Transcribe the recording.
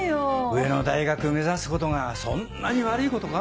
上の大学目指すことがそんなに悪いことか？